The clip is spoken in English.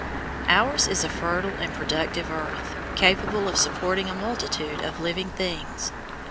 Ours is a fertile and productive earth, capable of supporting a multitude of living things.